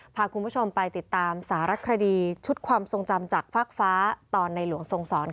พาคุณผู้ชมไปติดตามสารคดีชุดความทรงจำจากฟากฟ้าตอนในหลวงทรงสอน